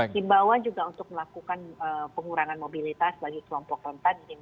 himbauan juga untuk melakukan pengurangan mobilitas bagi kelompok rentan